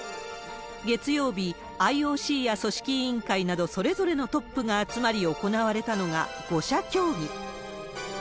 月曜日、ＩＯＣや組織委員会など、それぞれのトップが集まり行われたのが５者協議。